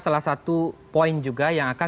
salah satu poin juga yang akan